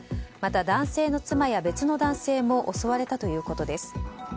また、男性の妻や別の男性も襲われたということです。